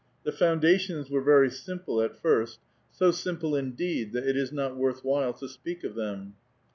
The foundations were very simple at first, — so simple, indeed, that it is not worth while to si)eak of them.